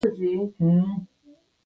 غریب له زړه دعا کوي